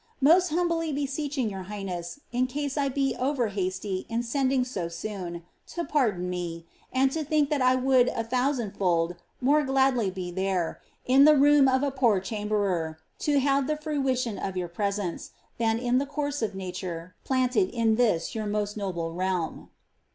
Most humbly beseeching your highness, in case I be o\'er hasty in sending so soon, to pardon me, and to think that I would a thousand fold more gladly be there, in the room of a poor chamberer, to have the fruition of your presence, than in the course of nature planted in tliis your most noble realm."